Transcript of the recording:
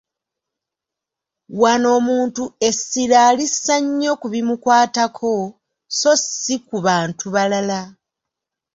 Wano omuntu essira alissa nnyo ku bimukwatako, so si ku bantu balala.